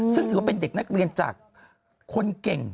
ซึ่งถือว่าเป็นเด็กนักเรียนจากคนเก่ง